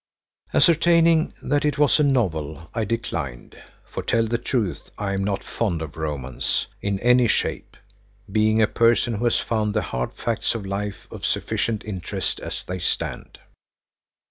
Ascertaining that it was a novel I declined, for to tell the truth I am not fond of romance in any shape, being a person who has found the hard facts of life of sufficient interest as they stand.